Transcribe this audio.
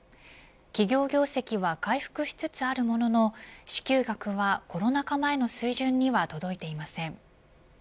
企業業績は回復しつつあるものの支給額は、コロナ禍前の水準には届いていません。